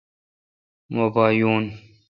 مہ پا یون۔